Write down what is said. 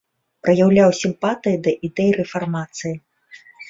Праяўляў сімпатыі да ідэй рэфармацыі.